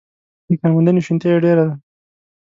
د کارموندنې شونتیا یې ډېره ده.